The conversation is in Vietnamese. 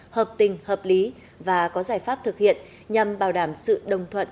hợp tình hợp lý và có giải pháp thực hiện nhằm bảo đảm sự đồng thuận